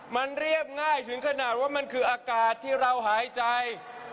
มันเรียบง่ายถึงขนาดว่ามันคืออากาศที่เราหายใจ